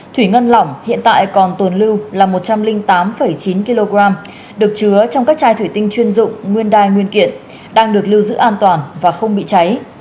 thủy ngân lỏng hiện tại còn tồn lưu là một trăm linh tám chín kg được chứa trong các chai thủy tinh chuyên dụng nguyên đai nguyên kiện đang được lưu giữ an toàn và không bị cháy